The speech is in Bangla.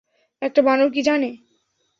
একটা বানর কী জানে?